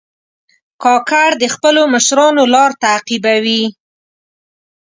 کاکړ د خپلو مشرانو لار تعقیبوي.